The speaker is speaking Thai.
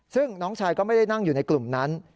ซึ่งน้องชายก็ไม่ได้นั่งอยู่ในกลุ่มนั้น